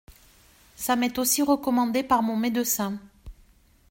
Ça m’est aussi recommandé par mon médecin.